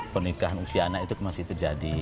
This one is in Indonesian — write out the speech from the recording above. pernikahan usia anak itu masih terjadi